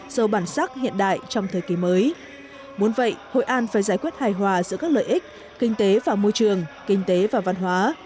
sâu bản sắc hiện đại trong thời kỳ mới muốn vậy hội an phải giải quyết hài hòa giữa các lợi ích kinh tế và môi trường kinh tế và văn hóa